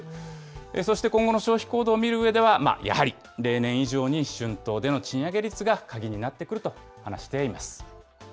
そして、今後の消費行動を見るうえでは、やはり例年以上に春闘での賃上げ率が鍵になってくると話しています。